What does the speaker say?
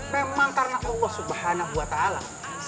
memang karena allah subhanahu wa ta'ala